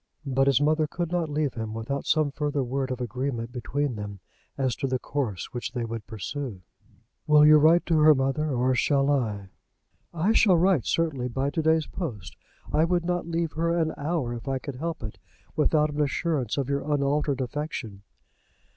But his mother could not leave him without some further word of agreement between them as to the course which they would pursue. "Will you write to her, mother, or shall I?" "I shall write, certainly, by to day's post. I would not leave her an hour, if I could help it, without an assurance of your unaltered affection."